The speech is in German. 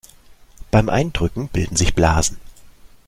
Beim Eindrücken bilden sich Blasen.